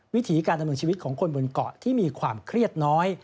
วิถีการดำเนินชีวิตของคนบนเกาะที่มีความเครียดน้อย